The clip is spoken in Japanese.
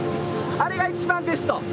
あれが一番ベスト。